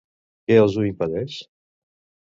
Què els ho impedeix?